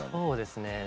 そうですね。